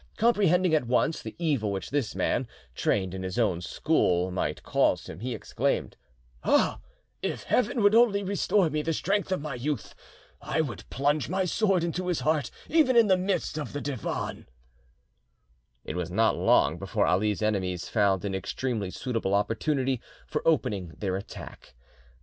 Comprehending at once the evil which this man,—trained in his own school, might cause him, he exclaimed, "Ah! if Heaven would only restore me the strength of my youth, I would plunge my sword into his heart even in the midst of the Divan." It was not long before Ali's enemies found an extremely suitable opportunity for opening their attack.